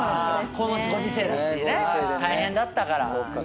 このご時世だしね大変だったから。